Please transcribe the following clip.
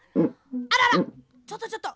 あららちょっとちょっと！